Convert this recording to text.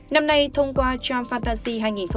năm nay thông qua tram fantasy hai nghìn hai mươi bốn